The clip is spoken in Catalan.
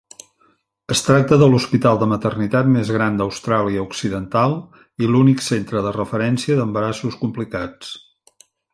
Es tracta de l'hospital de maternitat més gran d'Austràlia Occidental i l'únic centre de referència d'embarassos complicats.